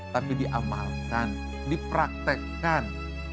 tapi diamalkan dipraktekkan